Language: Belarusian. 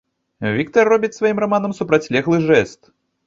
Віктар робіць сваім раманам супрацьлеглы жэст.